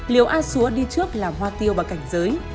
liều a xúa đi trước là hoa tiêu và cảnh giới